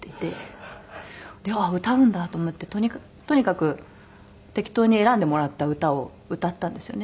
あっ歌うんだと思ってとにかく適当に選んでもらった歌を歌ったんですよね。